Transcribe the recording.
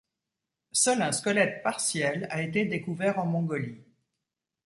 Seul un squelette partiel a été découvert en Mongolie.